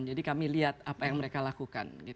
jadi kami lihat apa yang mereka lakukan